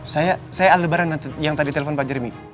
saya saya aldebaran yang tadi telepon pak jeremy